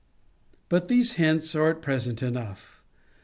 But these hints are at present enough.